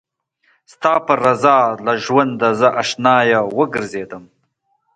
ستا په رضا له ژونده زه اشنايه وګرځېدم